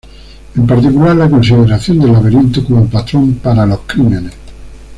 En particular la consideración del laberinto como patrón para los crímenes.